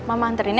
mama hantarin ya